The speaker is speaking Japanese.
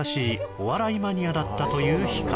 お笑いマニアだったという光